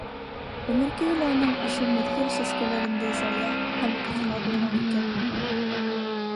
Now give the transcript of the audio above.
Ғүмеркәйе лә уның ошо миҙгел сәскәләрендәй зая һәм ҡыҫҡа булған икән...